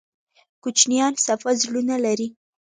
کوچنیان صفا زړونه لري